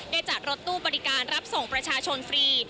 จัดรถตู้บริการรับส่งประชาชนฟรี